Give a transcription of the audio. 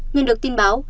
nhân được tin báo